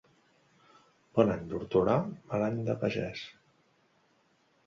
Bon any d'hortolà, mal any de pagès.